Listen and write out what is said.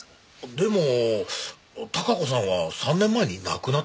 でも孝子さんは３年前に亡くなってますよ。